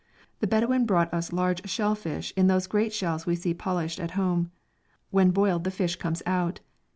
The Bedouin brought us large shell fish in those great shells we see polished at home. When boiled the fish comes out.